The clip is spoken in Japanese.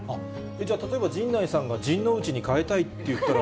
じゃあ、例えばジンナイさんがじんのうちに変えたいって言ったら。